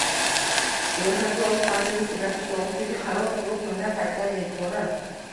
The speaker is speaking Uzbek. Ro‘yxatga olish markazi tugatish to‘g‘risida qaror qabul qilingan paytdan e’tiboran